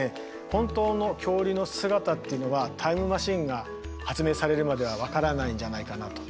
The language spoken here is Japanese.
本当の恐竜の姿っていうのはタイムマシンが発明されるまでは分からないんじゃないかなと。